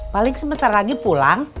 paling sebentar lagi pulang